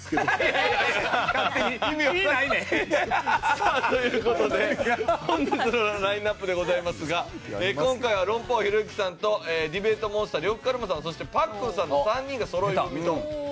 さあという事で本日のラインアップでございますが今回は論破王ひろゆきさんとディベートモンスター呂布カルマさんそしてパックンさんの３人がそろい踏みとなっております。